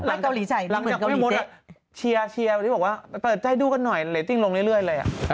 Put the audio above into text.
หลังจากโอ้ยโมดอะเชียร์ที่บอกว่าเปิดใจดูกันหน่อยเรทติ้งลงเรื่อยเลยอะ